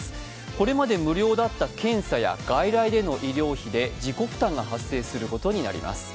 これまで無料だった検査や外来での医療費で自己負担が発生することになります。